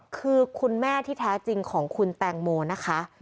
คือคุณแม่ที่แท้จริงของคุณแตงโมนะคะ